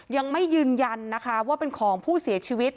ยังไม่ยืนยันนะคะว่าเป็นของผู้เสียชีวิต